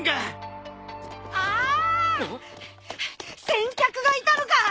先客がいたのか！